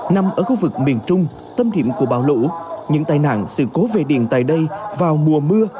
nằm ở khu vực miền trung tâm điểm của bão lũ những tai nạn sự cố về điện tại đây vào mùa mưa